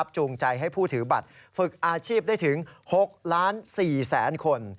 จูงใจให้ผู้ถือบัตรฝึกอาชีพได้ถึง๖ล้าน๔แสนคน